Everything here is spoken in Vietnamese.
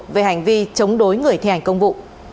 về hành vi chống đối người thi hành công vụ